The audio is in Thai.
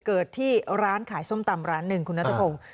เกิดที่ร้านขายส้มตำร้านหนึ่งคุณนัทพงศ์